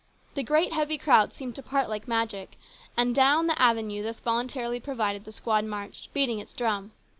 The great heavy crowd seemed to part like magic, and down the avenue thus voluntarily provided the squad marched, beating its drum.